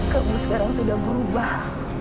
kamu sekarang sudah berubah